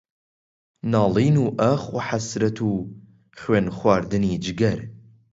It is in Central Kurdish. ناڵین و ئاخ و حەسرەت و خوێنخواردنی جگەر